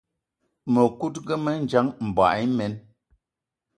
Mëkudgë mendjang, mboigi imen.